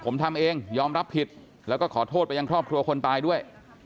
ผมทำเองยอมรับผิดแล้วก็ขอโทษไปยังครอบครัวคนตายด้วย